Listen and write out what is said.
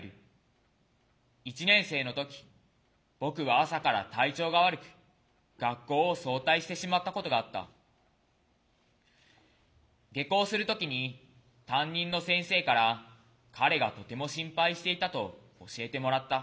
１年生の時僕は朝から体調が悪く学校を早退してしまったことがあった。下校する時に担任の先生から彼がとても心配していたと教えてもらった。